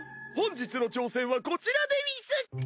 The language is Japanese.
本日の挑戦はこちらでうぃす！